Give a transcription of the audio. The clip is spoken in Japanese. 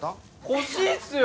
欲しいっすよ！